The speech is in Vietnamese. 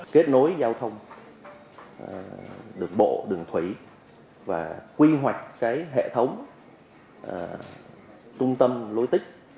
kết nối giao thông đường bộ đường thủy và quy hoạch hệ thống trung tâm lối tích